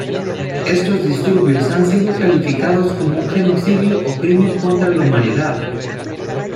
Estos disturbios han sido calificados como un genocidio o crimen contra la humanidad.